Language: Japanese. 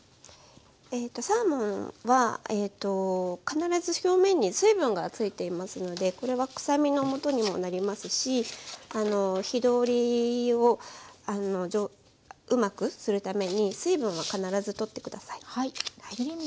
サーモンは必ず表面に水分がついていますのでこれは臭みのもとにもなりますし火通りをうまくするために水分は必ず取って下さい。